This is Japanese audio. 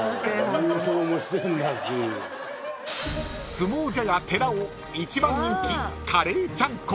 ［相撲茶屋寺尾一番人気］